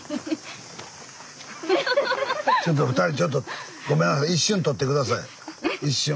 ちょっと２人ちょっとごめんなさい一瞬取ってください一瞬。